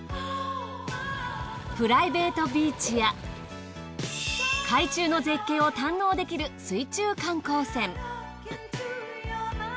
プライベートビーチや海中の絶景を堪能できる水中観光船